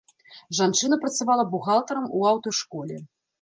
Жанчына працавала бухгалтарам у аўташколе.